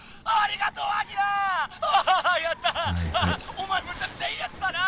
お前むちゃくちゃいいやつだな！